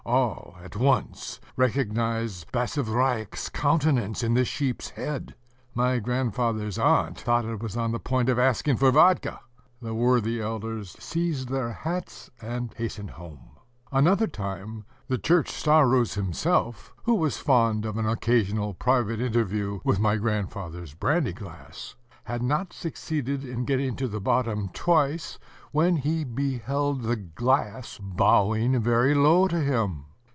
All, at once, recognized Basavriuk's countenance in the sheep's head: my grandfather's aunt thought it was on the point of asking for vodka. ... The worthy elders seized their hats, and hastened home. Another time, the church starost [Footnote: Elder] himself, who was fond of an occasional private interview with my grandfather's brandy glass, had not succeeded in getting to the bottom twice, when he beheld the glass bowing very low to him.